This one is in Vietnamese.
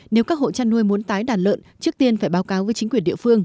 nếu các hộ chăn nuôi muốn tái đàn lợn trước tiên phải báo cáo với chính quyền địa phương